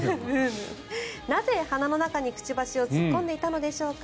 なぜ、鼻の中にくちばしを突っ込んでいたのでしょうか。